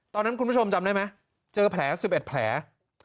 คุณผู้ชมจำได้ไหมเจอแผล๑๑แผล